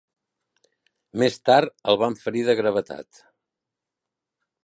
Més tard el van ferir de gravetat.